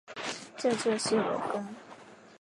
这就是容庚。